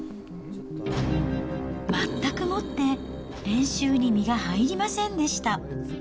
全くもって練習に身が入りませんでした。